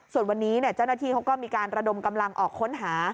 ส่วนวันนี้เจ้าหน้าที่เขาก็มีการระดมกำลังออกค้นหา